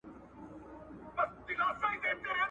د سیند اوبه د لښتي تر اوبو پاکې دي.